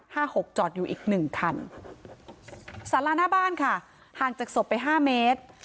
หกจอดอยู่อีกหนึ่งคันสาราหน้าบ้านค่ะห่างจากศพไปห้าเมตร